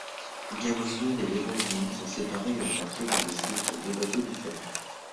Gabriel et Evangeline sont séparés et embarqués vers le sud sur des bateaux différents.